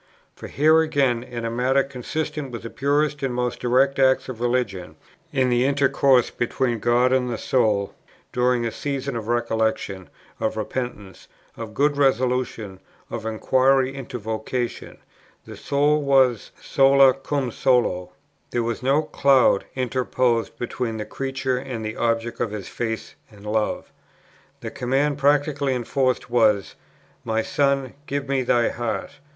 For here again, in a matter consisting in the purest and most direct acts of religion, in the intercourse between God and the soul, during a season of recollection, of repentance, of good resolution, of inquiry into vocation, the soul was "sola cum solo;" there was no cloud interposed between the creature and the Object of his faith and love. The command practically enforced was, "My son, give Me thy heart."